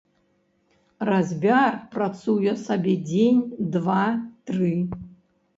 Разьбяр працуе сабе дзень, два, тры.